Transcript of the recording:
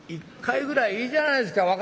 「１回ぐらいいいじゃないですか。